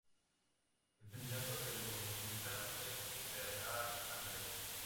El candidato de Los Republicanos fue Bernhard Andres.